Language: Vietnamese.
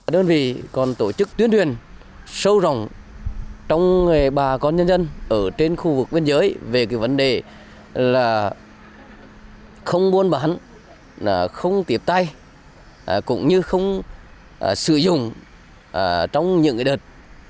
đơn vị còn tổ chức tuyên truyền sâu rộng trong bà con nhân dân ở trên khu vực biên giới về vấn đề là không buôn bán không tiếp tay cũng như không sử dụng trong những đợt